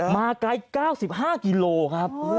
มาไกล๙๕กิโลกรัมครับ